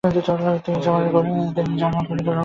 তিনি জার্মান, গণিত আর ধর্ম শেখেন।